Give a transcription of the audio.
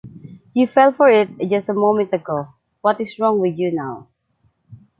You fell for it just a moment ago, what is wrong with you now.